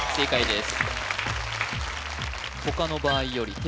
正解です